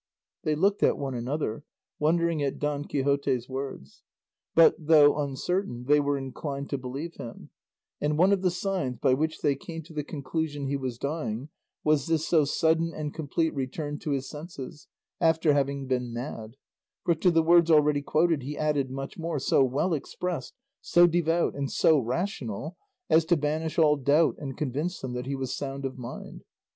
They looked at one another, wondering at Don Quixote's words; but, though uncertain, they were inclined to believe him, and one of the signs by which they came to the conclusion he was dying was this so sudden and complete return to his senses after having been mad; for to the words already quoted he added much more, so well expressed, so devout, and so rational, as to banish all doubt and convince them that he was sound of mind.